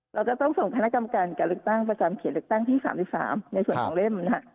เราจะต้องส่งคณะกรรมการการลึกตั้งประจำเขตลึกตั้งที่สามสิบสามในส่วนของเล่มนะ